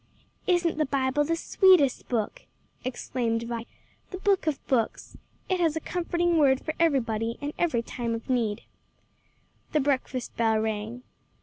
'" "Isn't the Bible the sweetest book!" exclaimed Vi, "the Book of books; it has a comforting word for everybody and every time of need." The breakfast bell rang.